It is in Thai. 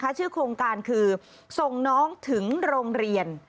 ชื่อโครงการคือส่งน้องถึงโรงเรียน